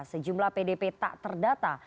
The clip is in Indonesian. sejumlah pdp tak terdata